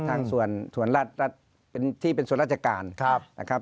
ทางสวนที่เป็นส่วนราชการนะครับ